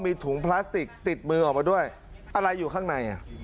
มีถุงพลาสติกติดมือออกมาด้วยอะไรอยู่ข้างในอ่ะ